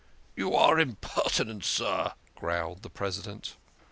"You are imperti nent, sir," growled the President.